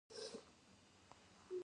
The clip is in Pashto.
د اومېګا ثابت د کائنات برخلیک معلوموي.